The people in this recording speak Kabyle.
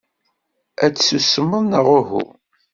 Ad tsusmeḍ neɣ uhu?